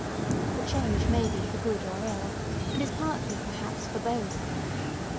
The change may be for good or ill, and is partly, perhaps, for both.